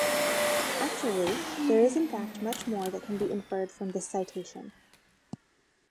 Actually there is in fact much more that can be inferred from this citation.